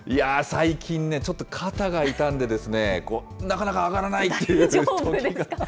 最近ね、ちょっと肩が痛んで、なかなか上がらないっていうとき大丈夫ですか？